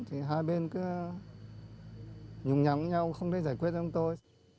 hai bên cứ nhùng nhắn nhau không thể giải quyết cho chúng tôi